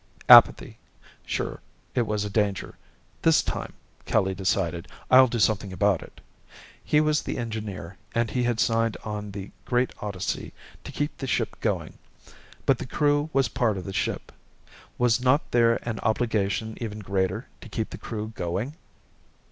Apathy. Sure it was a danger. This time, Kelly decided, I'll do something about it. He was the engineer and he had signed on the great odyssey to keep the ship going. But the Crew was part of the ship. Was not there an obligation even greater to keep the Crew going?